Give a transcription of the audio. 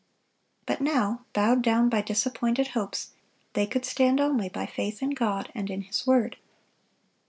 But now, bowed down by disappointed hopes, they could stand only by faith in God and in His word.